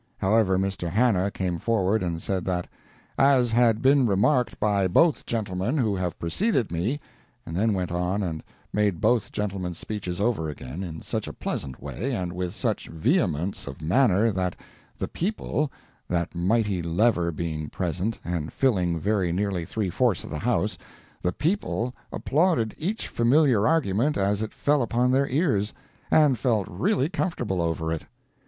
"] However, Mr. Hannah came forward and said that "As had been remarked by both gentlemen who have preceded me," and then went on and made both gentlemen's speeches over again, in such a pleasant way, and with such vehemence of manner that "the people"—that mighty lever being present, and filling very nearly three fourths of the house—"the people" applauded each familiar argument as it fell upon their ears, and felt really comfortable over it.